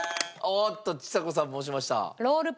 おっとちさ子さんも押しました。